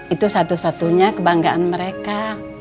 itu satu satunya kebanggaan mereka